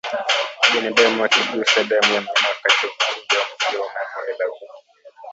Binadamu akigusa damu ya mnyama wakati wa kuchinja huambukizwa homa ya bonde la ufa